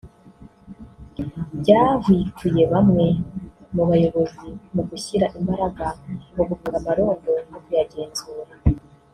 byahwituye bamwe mu bayobozi mu gushyira imbaraga mu gupanga amarondo no kuyagenzura”